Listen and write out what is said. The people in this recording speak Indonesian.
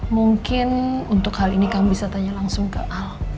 mungkin untuk hal ini kamu bisa tanya langsung ke al